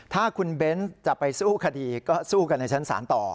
ถ้าคุณเบนส์จะไปสู้คดีก็สู้กันในชั้นศาลต่อ